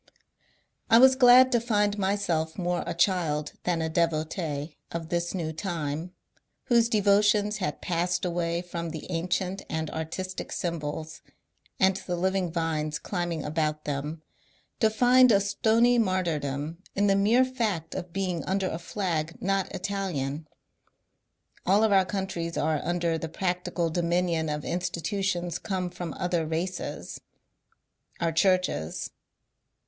I was glad to find myself more a child than a devotee of this new time, whose devotions had passed away from the ancient and artis tic symbols, and the living vines climbing about them, to find a stony martyrdom in the mere fact of being under a flag not Italian. All of our countries are under the practical dominion of institutions come from other races ; our churches.